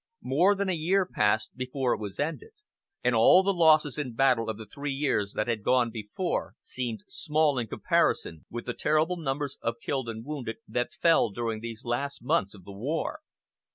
More than a year passed before it was ended, and all the losses in battle of the three years that had gone before seemed small in comparison with the terrible numbers of killed and wounded that fell during these last months of the war.